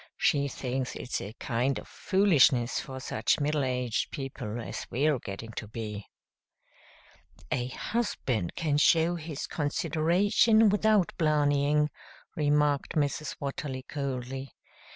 She thinks it's a kind of foolishness for such middle aged people as we're getting to be." "A husband can show his consideration without blarneying," remarked Mrs. Watterly coldly.